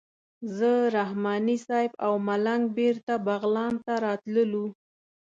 زه رحماني صیب او ملنګ بېرته بغلان ته راتللو.